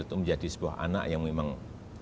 itu menjadi sebuah anak yang memang